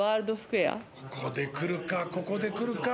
ここで来るか？